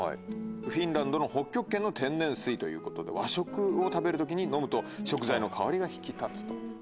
フィンランドの北極圏の天然水ということで和食を食べる時に飲むと食材の香りが引き立つと。